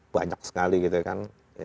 banyak sekali gitu kan